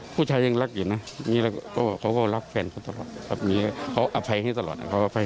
ถ้ายังรักอยู่นะเขาก็รักแฟนเขาตลอดแบบนี้เขาอภัยให้ตลอด